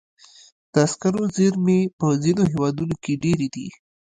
د سکرو زیرمې په ځینو هېوادونو کې ډېرې دي.